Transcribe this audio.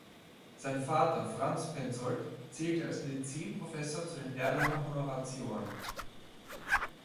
Sein Vater Franz Penzoldt zählte als Medizin-Professor zu den Erlanger Honoratioren.